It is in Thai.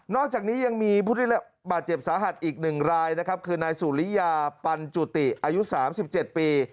นอกจากนี้ยังมีบาดเจ็บสาหัสอีก๑รายคือนายสุริยาปันจุติอายุ๓๗ปี